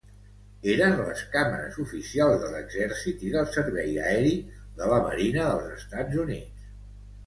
Eren les càmeres oficials de l'Exèrcit i del Servei Aeri de la Marina dels Estats Units.